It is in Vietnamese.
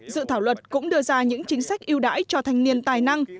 dự thảo luật cũng đưa ra những chính sách yêu đãi cho thanh niên tài năng